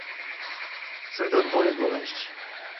Santo Antônio do Leste